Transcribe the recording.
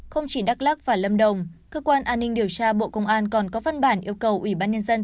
không chỉ đắk lắc và lâm đồng cơ quan an ninh điều tra bộ công an còn có văn bản yêu cầu ủy ban nhân dân tỉnh lâm đồng